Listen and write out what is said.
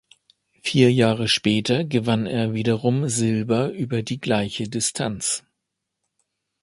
Vier Jahre später gewann er wiederum Silber über die gleiche Distanz.